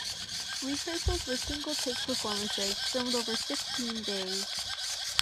Rehearsals were single-take performances, filmed over fifteen days.